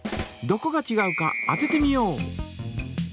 どこがちがうか当ててみよう！